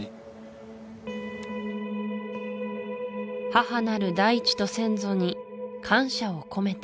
母なる大地と先祖に感謝を込めて